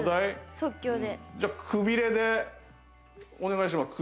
即興でじゃあくびれでお願いします